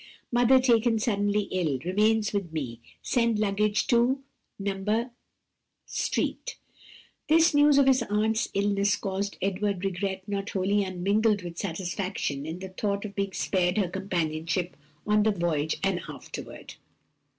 "Mother taken suddenly ill. Remains with me. Send luggage to No. street." This news of his aunt's illness caused Edward regret not wholly unmingled with satisfaction in the thought of being spared her companionship on the voyage and afterward.